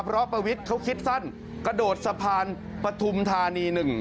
เพราะประวิทย์เขาคิดสั้นกระโดดสะพานปฐุมธานี๑